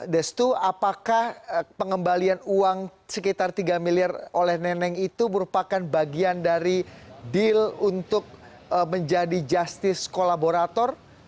destu apakah pengembalian uang sekitar tiga miliar oleh neneng itu merupakan bagian dari deal untuk menjadi justice kolaborator